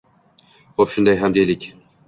Xo`p, shunday deylik ham